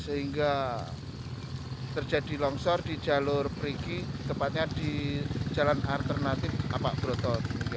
sehingga terjadi longsor di jalur perigi tepatnya di jalan alternatif awak broto